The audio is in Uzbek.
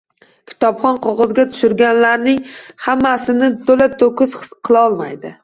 Kitobxon qog’ozga tushganlarning hammasini to’la-to’kis his qilolmaydi.